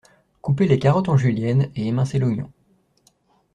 Couper les carottes en julienne et émincer l’oignon.